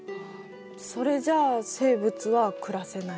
それじゃ生物は暮らせない。